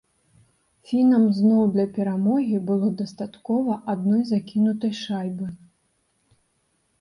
Фінам зноў для перамогі было дастаткова адной закінутай шайбы.